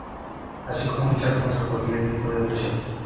Así como luchar contra cualquier tipo de opresión.